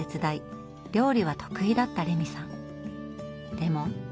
でも。